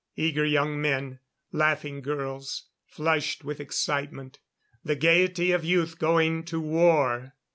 Eager young men; laughing girls, flushed with excitement. The gayety of youth going to war!